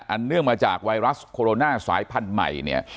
เนื่องมาจากไวรัสโคโรนาสายพันธุ์ใหม่เนี่ย